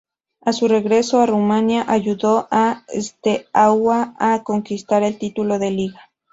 A su regreso a Rumania ayuda al Steaua a conquistar el título de Liga.